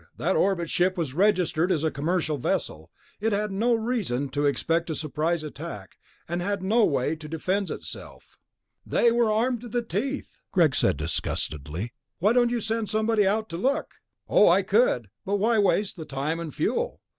That orbit ship was registered as a commercial vessel. It had no reason to expect a surprise attack, and had no way to defend itself." "They were armed to the teeth," Greg said disgustedly. "Why don't you send somebody out to look?" "Oh, I could, but why waste the time and fuel?